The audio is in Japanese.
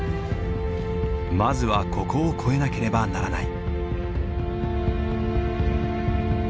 まずはここを越えなければならない。